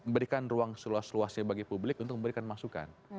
berikan ruang seluas luasnya bagi publik untuk memberikan masukan